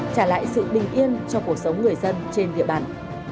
trả lại sự bình yên cho cuộc sống người dân trên địa bàn